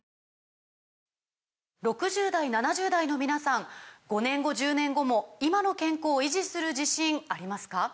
６０代７０代の皆さん５年後１０年後も今の健康維持する自信ありますか？